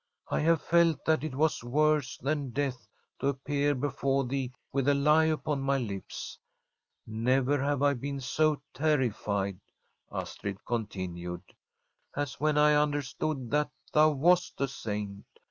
I have felt that it was worse than death to appear before thee with a lie upon my lips. Never have I been so terrified/ Astrid continued, ' as when I under stood that thou wast a Saint.